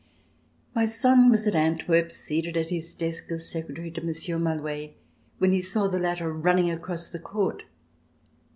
My son was at Antwerp, seated at his desk as secretary to Monsieur Malouet, when he saw the latter running across the court.